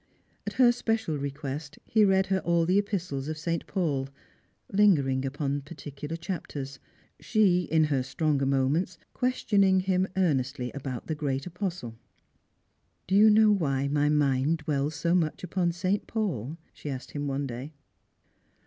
At her special request he read her all the epistles of St. Paul, lingering upon j^articular chapters; she, in her stronger moments, questioning him earnestly about the great apostle. " Do you know why my mind dwells so much upon St. Paul ?" she asked him one day.